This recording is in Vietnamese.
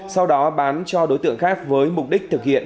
sau đó bán cho đối tượng khác với mục đích thực hiện